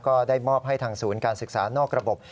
ก็ได้มอบให้ทางศูนย์การศึกษานอกระบบ